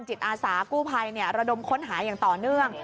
จิตอาสากู้ภัยระดมค้นหาอย่างต่อเนื่อง